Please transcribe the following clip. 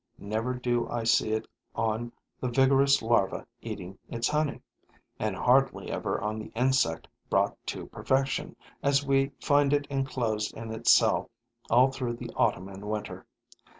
Never do I see it on the vigorous larva eating its honey; and hardly ever on the insect brought to perfection, as we find it enclosed in its cell all through the autumn and winter.